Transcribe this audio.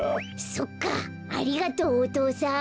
そっかありがとうお父さん。